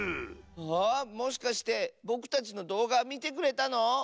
あもしかしてぼくたちのどうがみてくれたの？